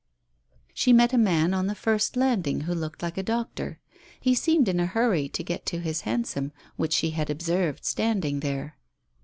She met a man on the first landing who looked like a doctor. He seemed in a hurry to get to his hansom, which she had observed standing there.